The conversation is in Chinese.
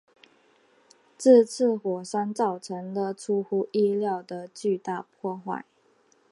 这次山火造成了出乎意料的巨大破坏。